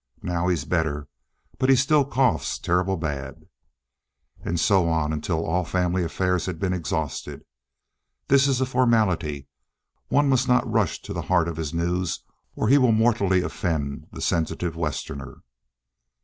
Now he's better, but he still coughs terrible bad." And so on until all family affairs had been exhausted. This is a formality. One must not rush to the heart of his news or he will mortally offend the sensitive Westerner.